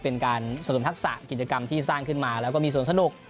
เป็นการสนุนทักษะกิจกรรมที่สร้างขึ้นมาแล้วก็มีส่วนสนุก